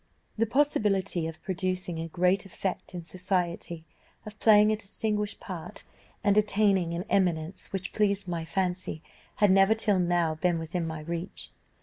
The possibility of producing a great effect in society, of playing a distinguished part, and attaining an eminence which pleased my fancy, had never till now been within my reach.